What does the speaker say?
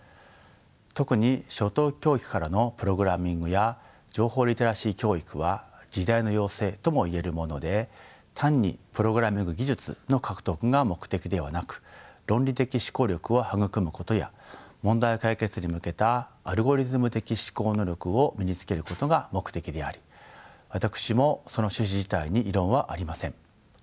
特に初等教育からのプログラミングや情報リテラシー教育は時代の要請とも言えるもので単にプログラミング技術の獲得が目的ではなく論理的思考力を育むことや問題解決に向けたアルゴリズム的思考能力を身につけることが目的であり私もその趣旨自体に異論はありません。